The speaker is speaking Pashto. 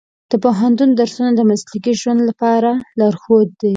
د پوهنتون درسونه د مسلکي ژوند لپاره لارښود دي.